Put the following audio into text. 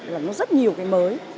là nó rất nhiều cái mới